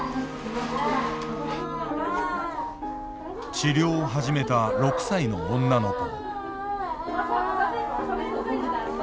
・治療を始めた６歳の女の子。